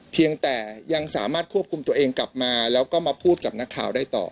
เพียงแต่ยังสามารถควบคุมตัวเองกลับมาแล้วก็มาพูดกับนักข่าวได้ต่อ